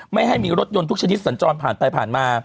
ไม่ให้มีรถยนต์ทุกชนิดสัญจรผ่านไปผ่านมา